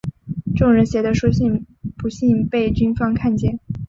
众人写的书信不幸被军方看见。